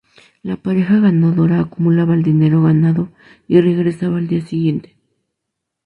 La pareja ganadora acumulaba el dinero ganado y regresaba al día siguiente.